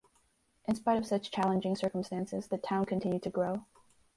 In spite of such challenging circumstances, the town continued to grow.